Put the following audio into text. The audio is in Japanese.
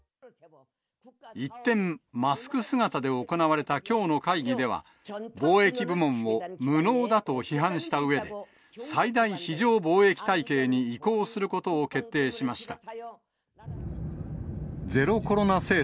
一転、マスク姿で行われたきょうの会議では、防疫部門を無能だと批判したうえで、最大非常防疫体系に移行することを決定しました。